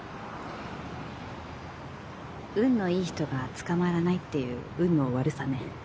運のいい人が捕まらないっていう運の悪さね。